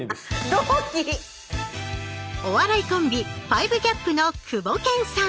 同期⁉お笑いコンビ５ＧＡＰのクボケンさん。